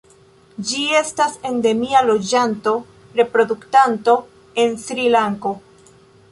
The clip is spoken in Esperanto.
Ĝi estas endemia loĝanta reproduktanto en Srilanko.